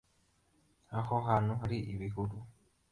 aho hantu hari ibihuru